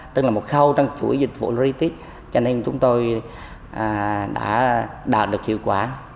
tức là một khâu trong chuỗi dịch vụ rít tích cho nên chúng tôi đã đạt được hiệu quả